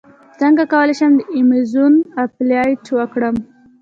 څنګه کولی شم د ایمیزون افیلیټ وکړم